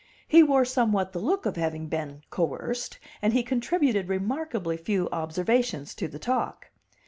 He wore somewhat the look of having been "coerced," and he contributed remarkably few observations to the talk.